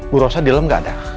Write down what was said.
bu rosa di dalam gak ada